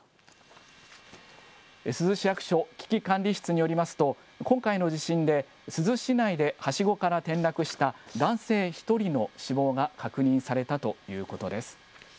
珠洲市役所危機管理室によりますと、今回の地震で珠洲市内ではしごから転落した男性１人の死亡が確認されたということです。